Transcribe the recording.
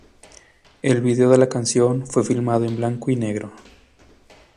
El video de la canción fue filmado en blanco y negro.